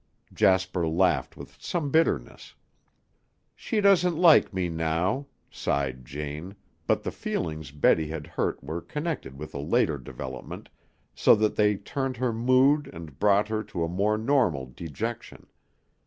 Jasper laughed with some bitterness. "She doesn't like me now," sighed Jane, but the feelings Betty had hurt were connected with a later development so that they turned her mood and brought her to a more normal dejection.